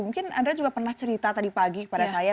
mungkin anda juga pernah cerita tadi pagi kepada saya